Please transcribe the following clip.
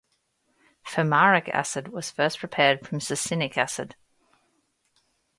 Fumaric acid was first prepared from succinic acid.